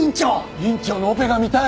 院長のオペが見たい！